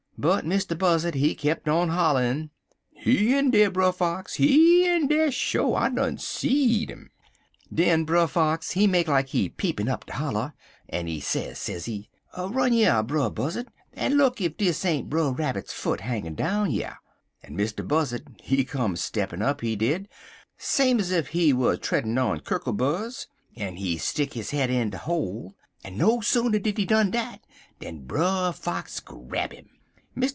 But Mr. Buzzard, he keep on holler'n: "'He in dar, Brer Fox. He in dar, sho. I done seed 'im.' "Den Brer Fox, he make like he peepin' up de holler, en he say, sezee: "'Run yer, Brer Buzzard, en look ef dis ain't Brer Rabbit's foot hanging down yer.' "En Mr. Buzzard, he come steppin' up, he did, same ez ef he wer treddin' on kurkle burs, en he stick his head in de hole; en no sooner did he done dat dan Brer Fox grab 'im. Mr.